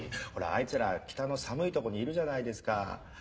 ほらあいつら北の寒いとこにいるじゃないですか。